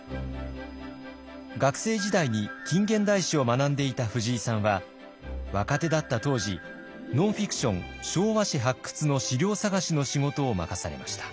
学生時代に近現代史を学んでいた藤井さんは若手だった当時ノンフィクション「昭和史発掘」の資料探しの仕事を任されました。